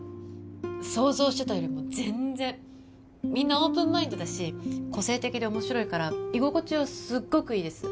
想像してたよりも全然みんなオープンマインドだし個性的で面白いから居心地はすごくいいです